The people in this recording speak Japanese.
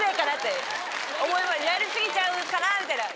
やり過ぎちゃうかなみたいな。